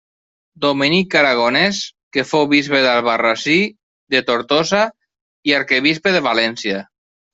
Dominic aragonés que fou bisbe d'Albarrasí, de Tortosa i arquebisbe de València.